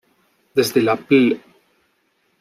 Desde la Pl.